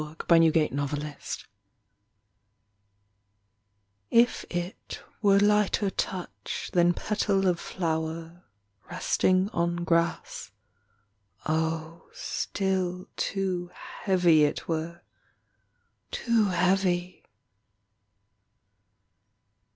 39 THE GUARDED WOUND If it Were lighter touch Than petal of flower resting On grass, oh still too heavy it were, Too heavy!